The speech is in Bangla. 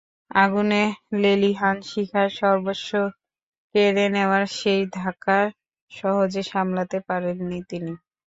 আগুনের লেলিহান শিখা সর্বস্ব কেড়ে নেওয়ার সেই ধাক্কা সহজে সামলাতে পারেননি তিনি।